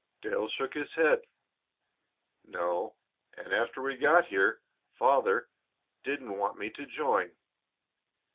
Dale shook his head. "No; and after we got here Father didn't want me to join.